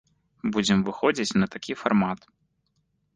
Будзем выходзіць на такі фармат.